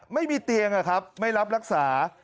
ไม่มีเตียงอะครับไม่รับรักษา